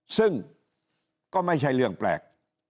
ซึ่งก็ไม่ใช่เรื่องแปลก